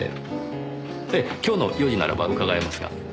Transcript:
ええ今日の４時ならば伺えますが。